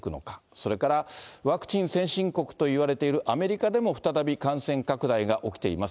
それからワクチン先進国といわれているアメリカでも再び感染拡大が起きています。